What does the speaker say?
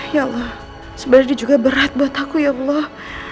ya allah sebenarnya ini juga berat buat aku ya allah